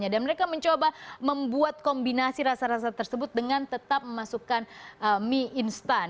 dan mereka mencoba membuat kombinasi rasa rasa tersebut dengan tetap memasukkan mie instan